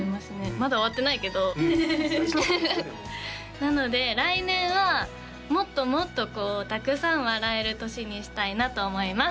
まだ終わってないけど大事なことでもなので来年はもっともっとこうたくさん笑える年にしたいなと思います